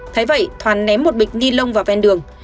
thấy vậy thoàn ném một bịch ni lông vào ven đường